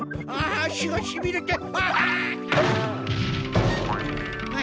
足がしびれてあ！